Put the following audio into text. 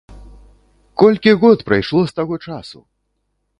Колькі год прайшло з таго часу!